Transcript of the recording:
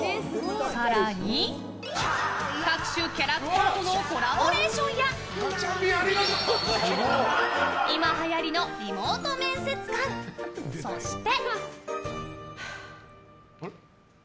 更に、各種キャラクターとのコラボレーションや今はやりのリモート面接官そして。